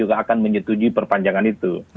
akan menyetujui perpanjangan itu